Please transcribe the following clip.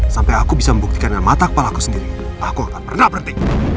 sampai aku bisa membuktikan dengan mata kepalaku sendiri aku akan pernah berhenti